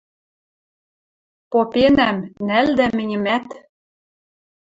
Попенӓм: «Нӓлдӓ мӹньӹмӓт».